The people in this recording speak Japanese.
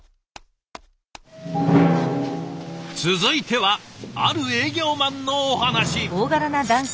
続いてはある営業マンのお話。